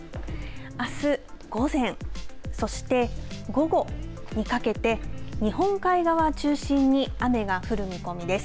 あす、午前、そして午後にかけて日本海側、中心に雨が降る見込みです。